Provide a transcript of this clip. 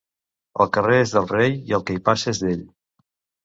El carrer és del rei i el qui hi passa és d'ell.